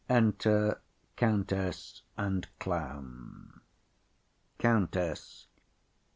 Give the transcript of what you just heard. Enter Countess and Clown. COUNTESS.